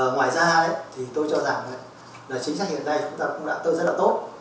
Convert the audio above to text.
ngoài ra thì tôi cho rằng chính sách hiện nay chúng ta cũng đã tương lai tốt